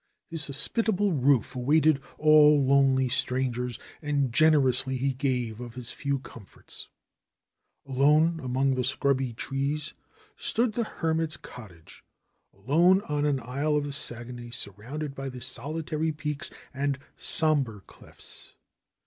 His hospitable roof awaited all lonely strangers and generously he gave of his few comforts. Alone among the scrubby trees stood the hermit's cot tage, alone on an isle of the Saguenay, surrounded by the solitary peaks and somber cliffs.